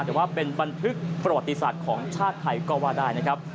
แต่ว่าเป็นบันทึกประวัติศาสตร์ของชาติไทยก็ว่าได้นะครับ